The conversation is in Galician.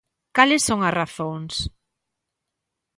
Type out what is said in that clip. ¿Cales son as razóns?